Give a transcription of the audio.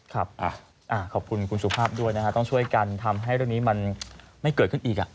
ขอบคุณคุณสุภาพด้วยนะฮะต้องช่วยกันทำให้เรื่องนี้มันไม่เกิดขึ้นอีก